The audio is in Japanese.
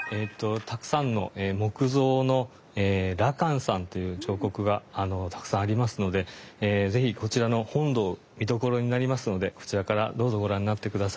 たくさんの木造の羅漢さんという彫刻がたくさんありますので是非こちらの本堂見どころになりますのでこちらからどうぞご覧になって下さい。